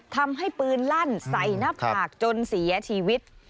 ทำให้ปืนลั่นใส่หน้าผากจนเสียชีวิต